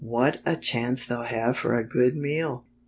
What a chance they'll have for a good meal!"